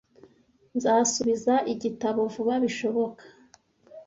Nzasubiza igitabo vuba bishoboka.